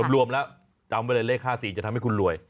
รวมแล้วจำไว้เลยเลข๕๔จะทำให้คุณรวย